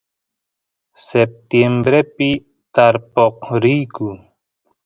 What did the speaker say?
septiembrepi tarpoq riyku